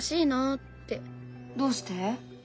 どうして？